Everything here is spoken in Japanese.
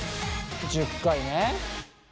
１０回ね。